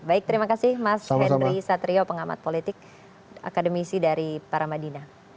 baik terima kasih mas henry satrio pengamat politik akademisi dari paramadina